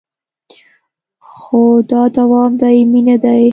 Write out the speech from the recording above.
خو دا دوام دایمي نه دی